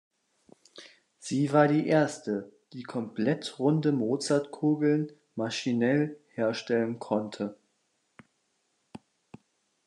Sie war die erste, die komplett runde Mozartkugeln maschinell herstellen konnte.